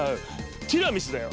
ティラミスだよ。